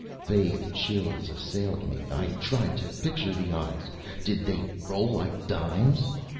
_ Vague chills assailed me. I tried to picture the eyes. Did they roll like dimes?